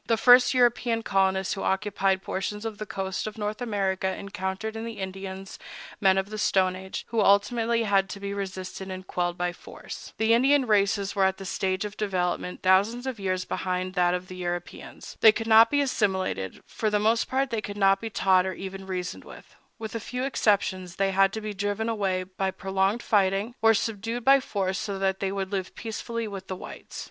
The first European colonists who occupied portions of the coast of North America encountered in the Indians men of the Stone Age, who ultimately had to be resisted and quelled by force. The Indian races were at a stage of development thousands of years behind that of the Europeans. They could not be assimilated; for the most part they could not be taught or even reasoned with; with a few exceptions they had to be driven away by prolonged fighting, or subdued by force so that they would live peaceably with the whites.